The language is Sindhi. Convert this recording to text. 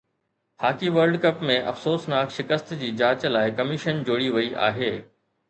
هاڪي ورلڊ ڪپ ۾ افسوسناڪ شڪست جي جاچ لاءِ ڪميشن جوڙي وئي آهي